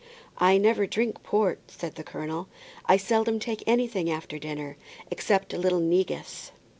"I never drink port," said the colonel. "I seldom take anything after dinner, except a little negus."